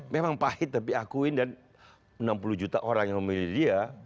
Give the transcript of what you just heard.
memang pahit tapi akuin dan enam puluh juta orang yang memilih dia